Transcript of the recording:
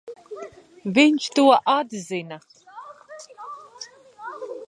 Viņš to atzina.